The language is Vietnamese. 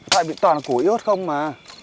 tại vì toàn là củi ướt không mà